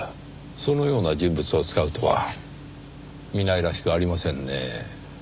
そのような人物を使うとは南井らしくありませんね。